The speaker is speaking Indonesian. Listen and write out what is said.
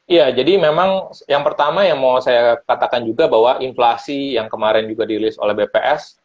ya jadi memang yang pertama yang mau saya katakan juga bahwa inflasi yang kemarin juga dirilis oleh bps